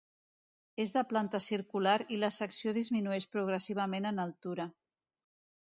És de planta circular i la secció disminueix progressivament en altura.